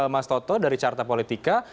mas toto dari carta politika